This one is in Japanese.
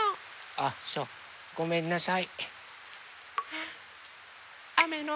あっそうごめんなさい。